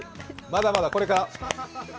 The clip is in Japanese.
まだまだこれから。